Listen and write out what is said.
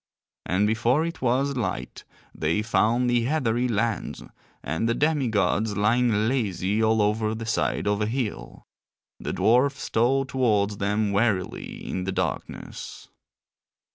And before it was light they found the heathery lands, and the demi gods lying lazy all over the side of a hill. The dwarfs stole towards them warily in the darkness.